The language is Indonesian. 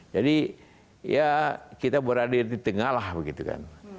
jadi ya kita berada di tengah lah begitu kan